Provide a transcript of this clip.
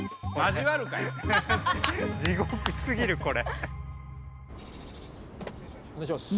地獄すぎるこれ。